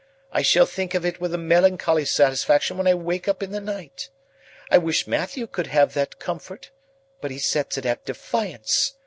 I shall think of it with a melancholy satisfaction when I wake up in the night. I wish Matthew could have that comfort, but he sets it at defiance.